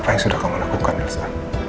apa yang sudah kamu lakukan elsa